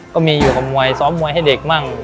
ก็มีอยู่กับมวยซ้อมมวยให้เด็กมั่ง